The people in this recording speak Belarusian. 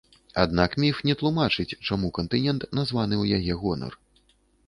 Аднак, міф не тлумачыць, чаму кантынент названы ў яе гонар.